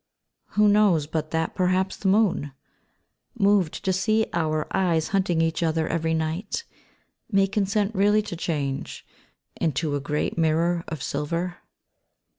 Who knows but that perhaps the moon, Moved to sec our eyes hunting each other every night. May consent really to change Into a great mirror of silver.